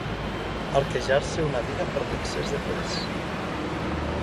Arquejar-se una biga per l'excés de pes.